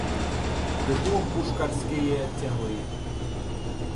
В депо пушкарськеє тягли.